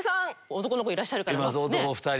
男の子いらっしゃるから。